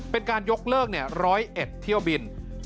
เป็นการยกเลิก๑๐๑เที่ยวบิน